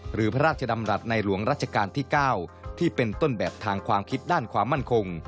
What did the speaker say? พระราชดำรัฐในหลวงรัชกาลที่๙ที่เป็นต้นแบบทางความคิดด้านความมั่นคง